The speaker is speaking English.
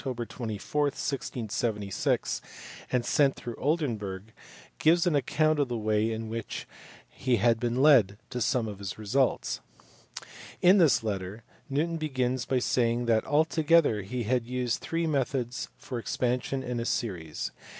24, 1676, and sent through Oldenburg, gives an account of the way in which he had been led to some of his results. In this letter, Newton begins by saying that altogether he had used three methods for expansion in series.